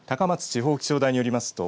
地方気象台によりますと